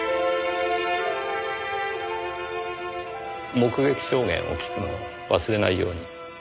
目撃証言を聞くのを忘れないように。